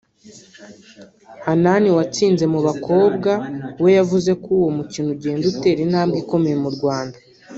Hanani watsinze mu bakobwa we yavuze ko uwo mukino ugenda utera intambwe ikomeye mu Rwanda